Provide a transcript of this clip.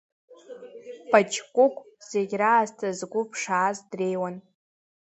Паҷкәыкә зегь раасҭа згәы ԥшааз дреиуан.